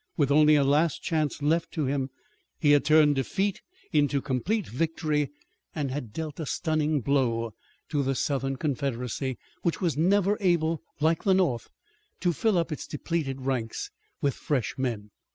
With only a last chance left to him he had turned defeat into complete victory, and had dealt a stunning blow to the Southern Confederacy, which was never able like the North to fill up its depleted ranks with fresh men.